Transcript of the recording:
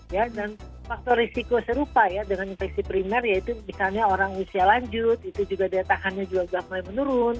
ya dan faktor risiko serupa ya dengan infeksi primer yaitu misalnya orang usia lanjut itu juga daya tahannya juga sudah mulai menurun